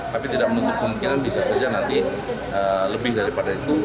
tapi tidak menutup kemungkinan bisa saja nanti lebih daripada itu